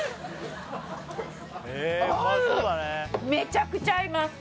めちゃくちゃ合います